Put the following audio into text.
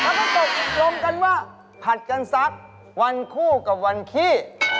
ต้องตกลงกันว่าผัดกันสักวันคู่กับวันขี้